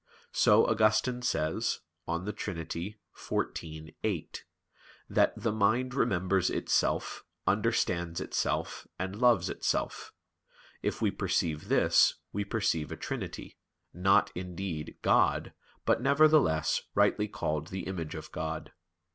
So Augustine says (De Trin. xiv, 8), that "the mind remembers itself, understands itself, and loves itself. If we perceive this, we perceive a trinity, not, indeed, God, but, nevertheless, rightly called the image of God."